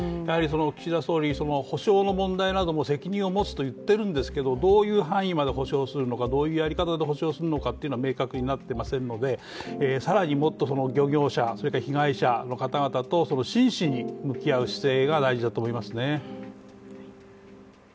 岸田総理、保障の問題なども責任を持つといっているんですけど、どういう範囲まで補償するのか、どういう遣り方で補償するのか明確になっていませんので更にもっと漁業者、それから被害者の方々と真摯に向き合う姿勢が大事だと思います。